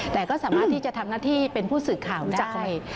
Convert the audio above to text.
แต่ก็สามารถที่จะทำหน้าที่เป็นผู้สื่อข่าวได้